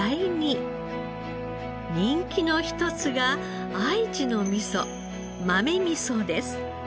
人気の一つが愛知の味噌豆味噌です。